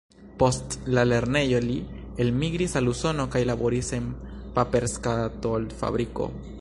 Post la lernejo li elmigris al Usono kaj laboris en paperskatol-fabriko.